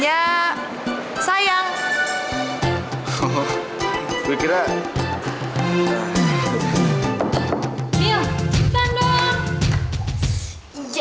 ya kurang kaget lah gue